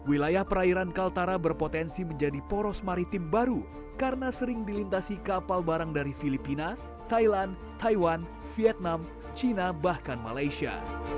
wilayah perairan kaltara berpotensi menjadi poros maritim baru karena sering dilintasi kapal barang dari filipina thailand taiwan vietnam cina bahkan malaysia